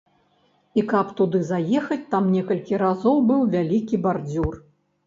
А каб туды заехаць, там некалькі разоў быў вялікі бардзюр.